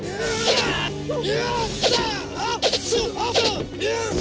pokoknya kau tak bisa ke perang kau sendiri